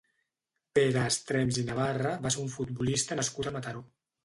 Pere Estrems i Navarra va ser un futbolista nascut a Mataró.